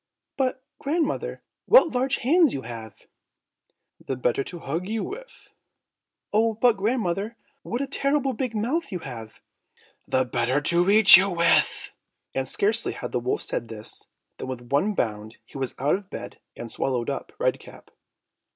"But, grandmother, what large hands you have!" "The better to hug you with." "Oh! but, grandmother, what a terrible big mouth you have!" "The better to eat you with!" And scarcely had the wolf said this, than with one bound he was out of bed and swallowed up Red Cap.